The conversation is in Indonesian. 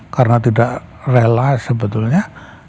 karena tidak rela sebetulnya